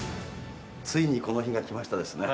ついにこの日が来ましたね